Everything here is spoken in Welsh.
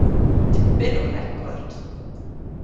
Dipyn o record.